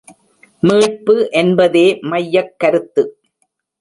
மீட்பு என்பதே மையக் கருத்து.